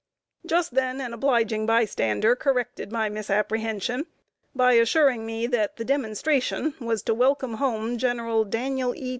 ] Just then, an obliging by stander corrected my misapprehension by assuring me that the demonstration was to welcome home General Daniel E.